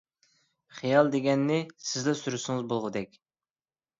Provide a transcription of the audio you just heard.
خىيال دېگەننى سىزلا سۈرسىڭىز بولغۇدەك.